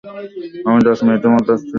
আমি দশ মিনিটের মধ্যে আসছি, ওকে?